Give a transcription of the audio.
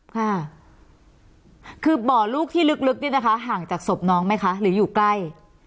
ค่ะคือบ่อลูกที่ลึกนี่นะคะห่างจากศพน้องไหมคะหรืออยู่ใกล้